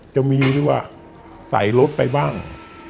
จะมีหรือว่าใส่รถไปบ้าง